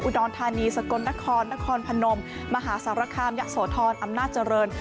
ดรธานีสกลนครนครพนมมหาสารคามยะโสธรอำนาจเจริญ